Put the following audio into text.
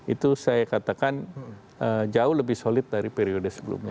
itu saya katakan jauh lebih solid dari periode sebelumnya